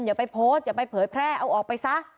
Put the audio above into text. อย่าไปโพสต์อย่าไปเผยแพร่เอาออกไปซะ